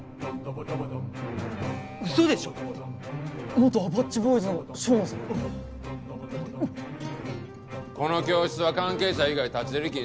この教室は関係者以外立ち入り禁止や。